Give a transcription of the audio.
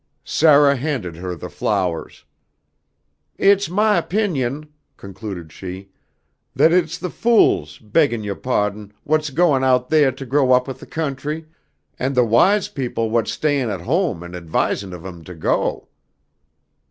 Sarah handed her the flowers. "It's my opinion," concluded she, "that it's the fools, beggin' youah pahdon, whut's goin' out theah to grow up with the country, and the wise peepul whut's stayin' at home and advisin' of 'em to go."